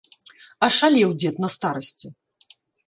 Ашалеў дзед на старасці.